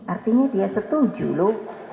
artinya dia setuju lho